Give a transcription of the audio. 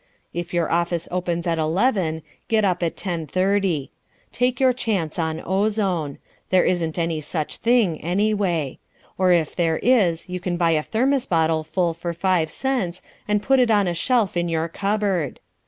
If your office opens at eleven, get up at ten thirty. Take your chance on ozone. There isn't any such thing anyway. Or, if there is, you can buy a Thermos bottle full for five cents, and put it on a shelf in your cupboard.